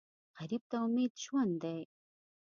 غریب ته امید ژوند دی